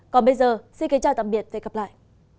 còn bây giờ xin kính chào tạm biệt và hẹn gặp lại